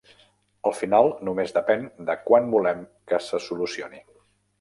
Al final, només depèn de quan volem que se solucioni.